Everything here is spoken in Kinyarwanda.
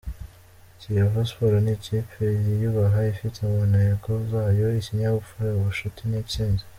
Kiyovu Sports ni ikipe yiyubaha ifite mu ntego zayo ikinyabupfura, ubucuti n’intsinzi.